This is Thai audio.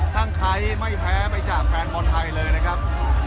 ทั้งไทยไม่แพ้ไปจากแฟนบอลไทยเลยนะครับ